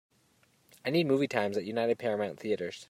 I need movie times at United Paramount Theatres